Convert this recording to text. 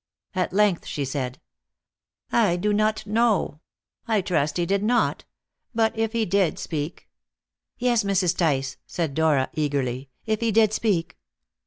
At length she said: "I do not know. I trust he did not. But if he did speak " "Yes, Mrs. Tice," said Dora eagerly, "if he did speak?"